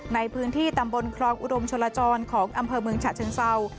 ในพื้นที่ตำบลครองอุดมชลจรของอำเภอเมืองฉะเชิงเศร้า